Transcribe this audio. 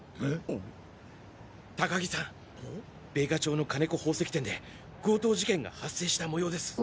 高木さん米花町の金子宝石店で強盗事件が発生したもようです。